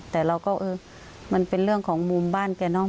แต่เราก็เออมันเป็นเรื่องของมุมบ้านแกเนาะ